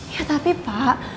ya tapi pak